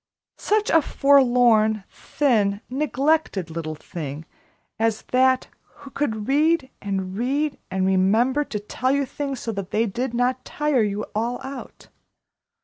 Such a forlorn, thin, neglected little thing as that, who could read and read and remember and tell you things so that they did not tire you all out!